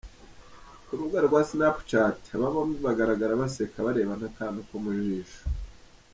Ku rubuga rwa Snap Chat aba bombi bagaragara baseka barebana akana ko mu jisho.